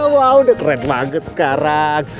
wow udah keren banget sekarang